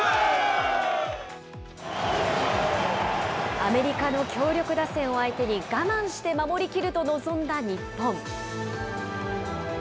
アメリカの強力打線を相手に、我慢して守りきると臨んだ日本。